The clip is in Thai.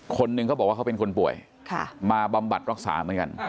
คนหนึ่งเขาบอกว่าเขาเป็นคนป่วยมาบำบัดรักษาเหมือนกัน